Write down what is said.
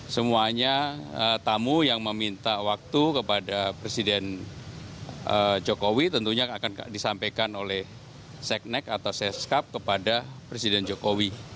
semuanya tamu yang meminta waktu kepada presiden jokowi tentunya akan disampaikan oleh seknek atau seskap kepada presiden jokowi